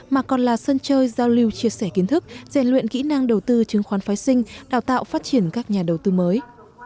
mà còn là sân chơi giao lưu chia sẻ kiến thức rèn luyện kỹ năng đầu tư chứng khoán phái sinh đào tạo phát triển các nhà đầu tư mới